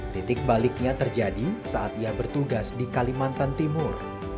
titik baliknya terjadi saat ia bertugas di kalimantan timur